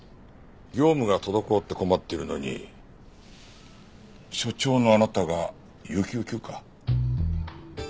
業務が滞って困ってるのに所長のあなたが有給休暇？